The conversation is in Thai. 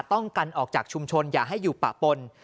ต้องกันออกจากชุมชนอย่าให้อยู่ปะปน